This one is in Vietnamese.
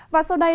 và sau đây